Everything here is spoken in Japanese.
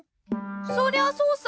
そりゃそうさ。